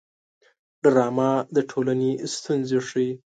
ډرامه د ټولنې ستونزې ښيي